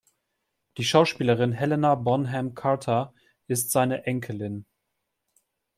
Die Schauspielerin Helena Bonham Carter ist seine Enkelin.